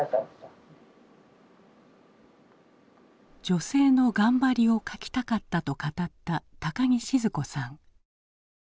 女性の頑張りを描きたかったと語った木靜子さん。